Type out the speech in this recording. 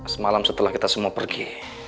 semalam setelah kita semua pergi